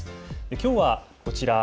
きょうはこちら。